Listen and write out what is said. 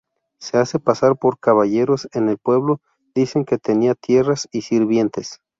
Se hace pasar por caballeros en el pueblo, dicen que tenía tierras y sirvientes.